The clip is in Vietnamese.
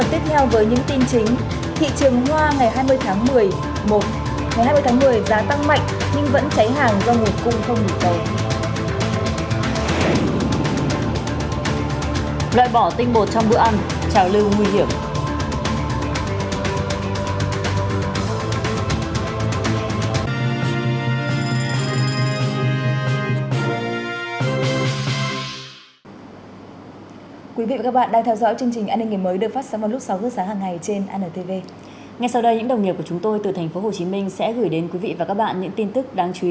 trong phần tiếp theo với những tin chính thị trường hoa ngày hai mươi tháng một mươi một ngày hai mươi tháng một mươi giá tăng mạnh nhưng vẫn cháy hàng do người cung không bị cầu